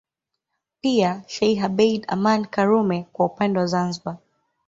Pia Sheikh Abeid Amani Karume kwa upande wa Zanzibari